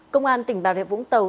công an tỉnh bà rệ vũng tàu